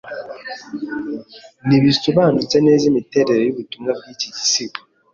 ntibisobanutse neza imiterere yubutumwa bwiki gisigo